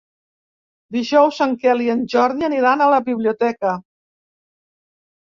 Dijous en Quel i en Jordi aniran a la biblioteca.